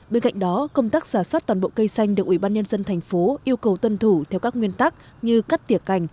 bên cạnh đó công tác giả soát toàn bộ cây xanh được ủy ban nhân dân thành phố yêu cầu tuân thủ theo các nguyên tắc như cắt tỉa cành